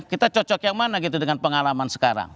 kita cocok yang mana gitu dengan pengalaman sekarang